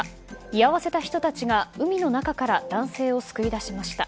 居合わせた人たちが海の中から男性を救い出しました。